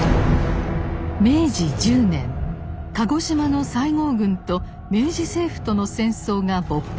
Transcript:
明治１０年鹿児島の西郷軍と明治政府との戦争が勃発。